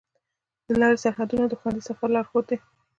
د لارې سرحدونه د خوندي سفر لارښود دي.